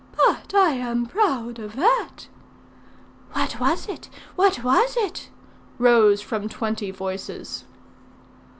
But I am proud of that." "What was it? What was it?" rose from twenty voices.